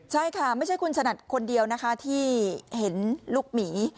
ใช่ค่ะไม่ใช่คุณสนัดคนเดียวนะคะที่เห็นลูกหมี